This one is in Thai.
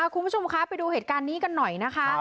คุณผู้ชมคะไปดูเหตุการณ์นี้กันหน่อยนะคะ